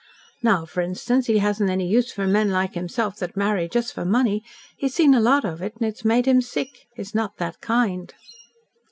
Now, for instance, he hasn't any use for men like himself that marry just for money. He's seen a lot of it, and it's made him sick. He's not that kind."